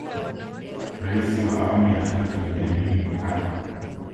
Rais wa awamu ya tatu Benjamin Mkapa